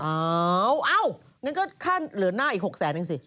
อ๋อนั่งก็ค่าเหลือหน้าอีก๖๐๐๐๐๐อีกสิ